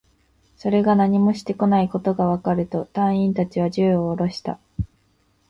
それが何もしてこないことがわかると、隊員達は銃をおろした